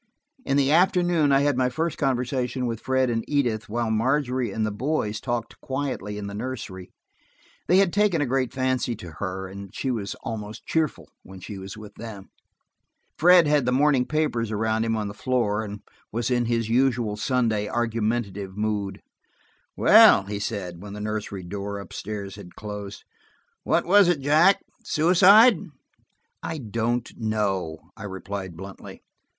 In the afternoon I had my first conversation with Fred and Edith, while Margery and the boys talked quietly in the nursery. They had taken a great fancy to her, and she was almost cheerful when she was with them. Fred had the morning papers around him on the floor, and was in his usual Sunday argumentative mood. "Well," he said, when the nursery door up stairs had closed, "what was it, Jack? Suicide?" "I don't know," I replied bluntly.